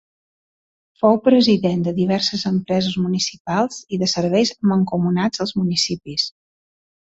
Fou president de diverses empreses municipals i de serveis mancomunats als municipis.